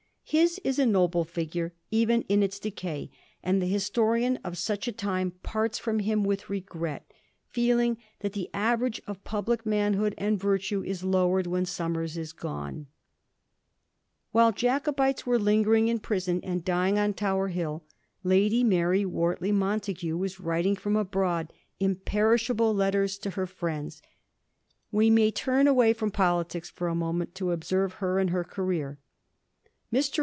His is a noble figure, even in its decay, and the historian of such a time parts fix)m hiTn with regret, feeling that the average of public manhood and virtue is lowered when Somers is gone. While Jacobites were lingering in prison and dying on Tower Hill, Lady Mary Wortley Montagu was writing from abroad imperishable letters to her Digiti zed by Google 1716, MARY WORTLEY MONTAGU. 195 friends. We may turn away from politics for a moment to observe her and her career. Mr.